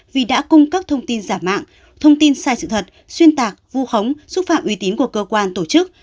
vì đã cung cấp thông tin giả mạo thông tin sai sự thật xuyên tạc vu khống xúc phạm uy tín của cơ quan tổ chức